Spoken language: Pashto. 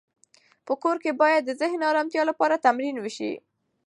په کور کې باید د ذهني ارامتیا لپاره تمرین وشي.